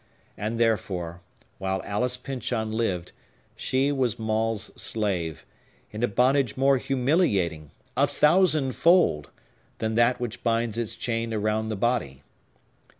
And, therefore, while Alice Pyncheon lived, she was Maule's slave, in a bondage more humiliating, a thousand fold, than that which binds its chain around the body.